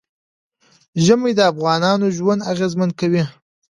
ژمی د افغانانو ژوند اغېزمن کوي.